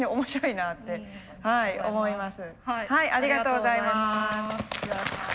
ありがとうございます。